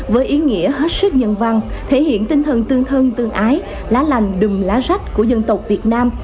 với ý nghĩa hết sức nhân văn thể hiện tinh thần tương thân tương ái lá lành đùm lá rách của dân tộc việt nam